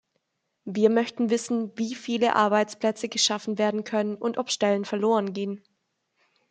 Wir möchten wissen, wie viele Arbeitsplätze geschaffen werden können und ob Stellen verloren gehen.